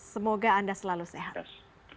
semoga anda selalu sehat